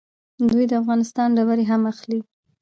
دوی د افغانستان ډبرې هم اخلي.